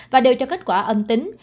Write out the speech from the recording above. và đều cho kết quả âm tính